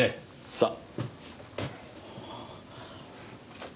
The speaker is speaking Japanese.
さあ。